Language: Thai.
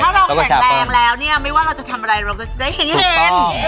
ถ้าเราแข็งแรงแล้วเนี่ยไม่ว่าเราจะทำอะไรเราก็จะได้เห็น